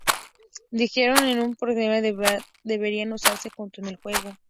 Dijeron que la psicoterapia debería usarse junto con el juego.